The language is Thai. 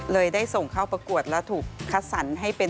ได้ส่งเข้าประกวดและถูกคัดสรรให้เป็น